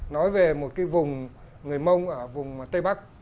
nói về một cái vùng người mông ở vùng tây bắc